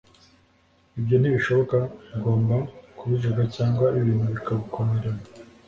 ibyo ntibishoboka ugomba kubivuga cyangwa ibintu bikagukomerana